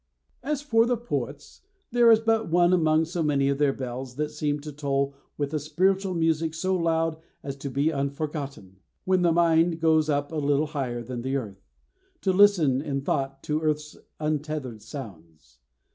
As for the poets, there is but one among so many of their bells that seems to toll with a spiritual music so loud as to be unforgotten when the mind goes up a little higher than the earth, to listen in thought to earth's untethered sounds.